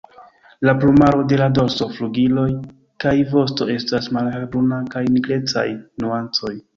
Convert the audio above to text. La plumaro de la dorso, flugiloj kaj vosto estas malhelbruna kun nigrecaj nuancoj.